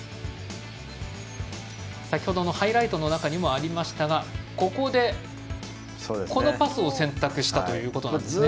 先程のハイライトの中にもありましたがパスを選択したということですね。